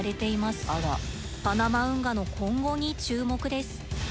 パナマ運河の今後に注目です。